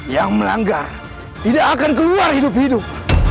yang melanggar tidak akan keluar hidup hidup